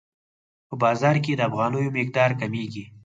په بازار کې د افغانیو مقدار کمیږي.